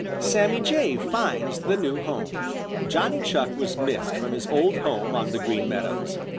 SAMMY JAY FINDS THE NEW HOME Johnny Chuck was missed from his old home on the Green Meadows.